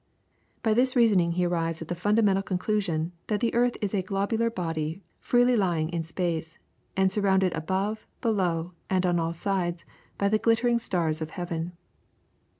By this reasoning he arrives at the fundamental conclusion that the earth is a globular body freely lying in space, and surrounded above, below, and on all sides by the glittering stars of heaven.